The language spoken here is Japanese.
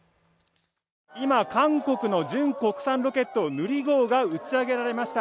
今、韓国の純国産ロケットヌリ号が打ち上げられました。